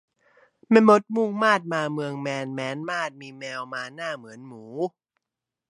แม่มดมุ่งมาดมาเมืองแมนแม้นมาศมีแมวมาหน้าเหมือนหมู